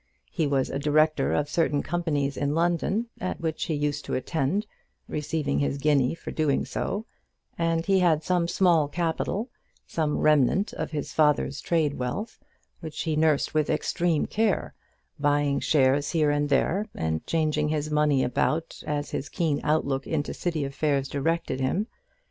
He was a director of certain companies in London, at which he used to attend, receiving his guinea for doing so, and he had some small capital, some remnant of his father's trade wealth, which he nursed with extreme care, buying shares here and there and changing his money about as his keen outlook into City affairs directed him.